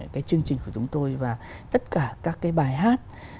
cái chương trình của chúng tôi và tất cả các cái bài hát